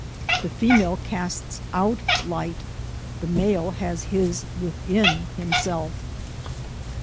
The female casts out light, the male has his within himself.